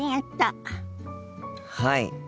はい。